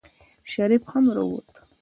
شريف هم راووت.